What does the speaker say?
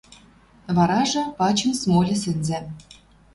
Варажы, пачын смольы сӹнзӓм